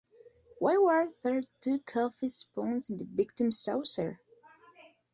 Why were there two coffee spoons in the victim's saucer?